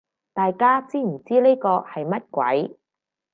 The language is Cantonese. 大家知唔知呢個係乜鬼